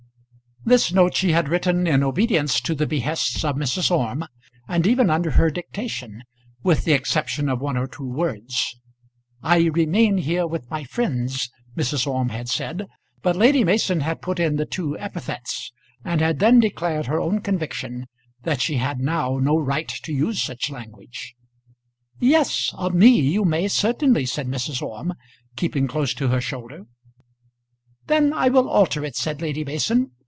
This note she had written in obedience to the behests of Mrs. Orme, and even under her dictation with the exception of one or two words, "I remain here with my friends," Mrs. Orme had said; but Lady Mason had put in the two epithets, and had then declared her own conviction that she had now no right to use such language. "Yes, of me you may, certainly," said Mrs. Orme, keeping close to her shoulder. "Then I will alter it," said Lady Mason.